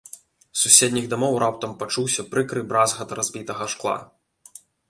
З суседніх дамоў раптам пачуўся прыкры бразгат разбітага шкла.